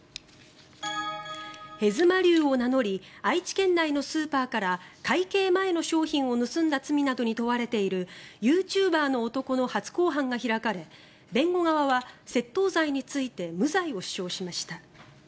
へずまりゅうを名乗り愛知県内のスーパーから会計前の商品を盗んだ罪などに問われているユーチューバーの男の初公判が開かれ弁護側は窃盗罪について無罪を主張しました。